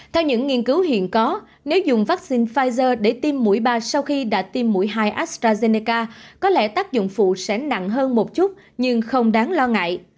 theo những nghiên cứu hiện có nếu dùng vaccine pfizer để tiêm mũi ba sau khi đã tiêm mũi hai astrazeneca có lẽ tác dụng phụ sẽ nặng hơn một chút nhưng không đáng lo ngại